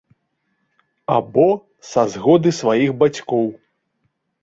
Або са згоды сваіх бацькоў.